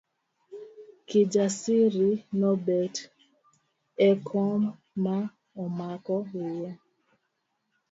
Kijasiri nobet e kom ma omako wiye.